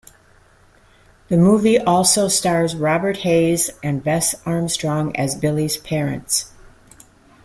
The movie also stars Robert Hays and Bess Armstrong as Billy's parents.